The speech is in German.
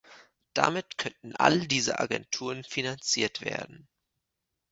Damit könnten all diese Agenturen finanziert werden.